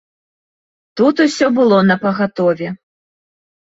Тут усё было напагатове.